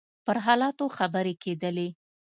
پر حالاتو خبرې کېدلې.